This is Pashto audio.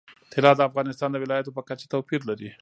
طلا د افغانستان د ولایاتو په کچه توپیر لري.